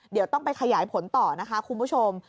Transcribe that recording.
เดี๋ยวต้องไปขยายผลต่อนะคะคุณผู้ชม